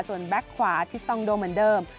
ส่วนแบ็คขวาที่สตองโดเหมือนเดิม